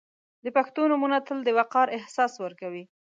• د پښتو نومونه تل د وقار احساس ورکوي.